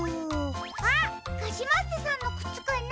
あっカシマッセさんのくつかな？